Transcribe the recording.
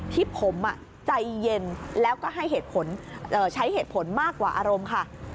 ที่ผมใจเย็นแล้วก็ช้าเหตุผลมากกว่าอารมณ์ค่ะ